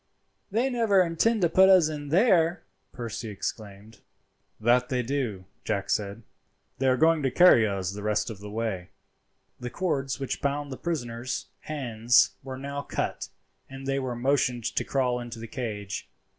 they never intend to put us in there," Percy exclaimed. "That they do," Jack said. "They are going to carry us the rest of the way." The cords which bound the prisoners' hands were now cut, and they were motioned to crawl into the cage.